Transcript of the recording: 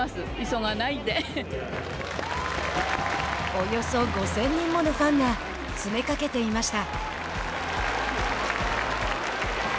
およそ５０００人ものファンが詰めかけていました。